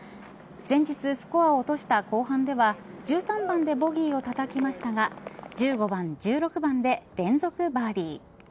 前日、スコアを落とした後半では１３番でボギーをたたきましたが１５番、１６番で連続バーディー。